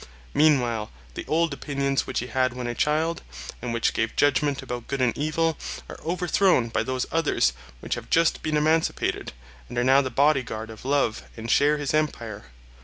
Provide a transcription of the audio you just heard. Meanwhile the old opinions which he had when a child, and which gave judgment about good and evil, are overthrown by those others which have just been emancipated, and are now the body guard of love and share his empire.